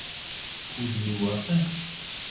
Udem-iw ṛqiq.